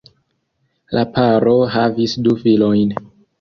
La paro havis du filojn.